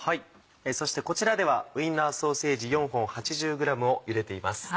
そしてこちらではウインナーソーセージ４本８０ｇをゆでています。